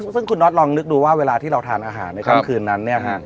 ซึ่งคุณน็อตลองนึกดูว่าเวลาที่เราทานอาหารในค่ำคืนนั้น